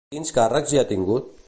Quins càrrecs hi ha tingut?